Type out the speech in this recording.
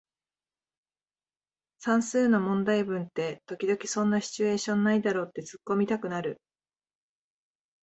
算数の問題文って時々そんなシチュエーションないだろってツッコミたくなる